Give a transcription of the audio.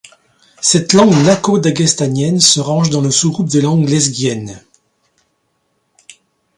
Cette langue nakho-daghestanienne se range dans le sous-groupe des langues lezguiennes.